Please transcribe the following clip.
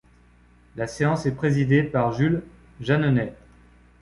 La séance est présidée par Jules Jeanneney.